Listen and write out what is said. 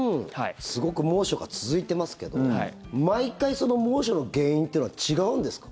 すごく猛暑が続いてますけど毎回、その猛暑の原因というのは違うんですか？